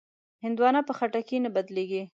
هندوانه په خټکي نه بدلېږي.